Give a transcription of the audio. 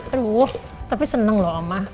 aduh tapi seneng loh omah